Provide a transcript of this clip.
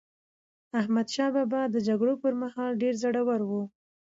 احمدشاه بابا د جګړو پر مهال ډېر زړور و.